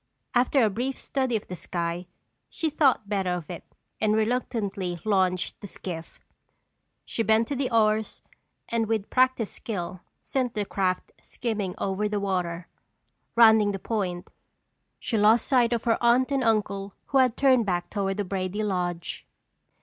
After a brief study of the sky she thought better of it and reluctantly launched the skiff. She bent to the oars and with practiced skill sent the craft skimming over the water. Rounding the point, she lost sight of her aunt and uncle who had turned back toward the Brady lodge.